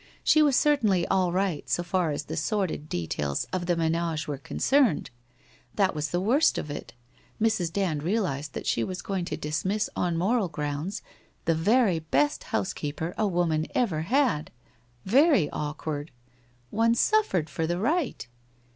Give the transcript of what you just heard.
She was certainly :ill right so far as the sordid details of the menage were concerned. That was the worst of it ! Mrs. Dand realized that she was going to dismiss, on moral grounds, the very best housekeeper a woman had ever had. ... Very awkward! ... One Buffered for the right!